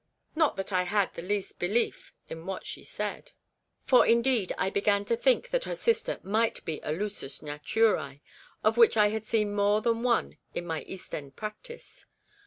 Not that I had the least belief in what she said; for, indeed, I began to think that her 206 REBECCA'S REMORSE. sister might be a lusus naturce, of which I had seen more than one in my East End practice.